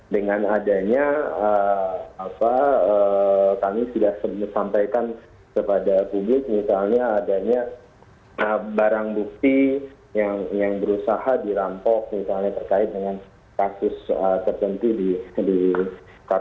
dengan adanya kami sudah sampaikan kepada publik misalnya adanya barang bukti yang berusaha dirampok misalnya terkait dengan kasus tertentu di kpk